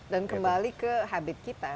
dan kembali ke habit kita